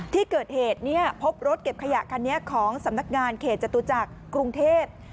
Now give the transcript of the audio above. ที่เกิดเหตุพบรถเก็บขยะคันนี้ของสำนักงานเขตจตุจักรกรุงเทพ